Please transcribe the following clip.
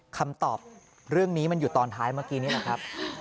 คำตอบเรื่องนี้มันอยู่ตอนท้ายเมื่อกี้นี้นะครับ